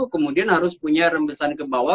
kemudian harus punya rembesan kebawah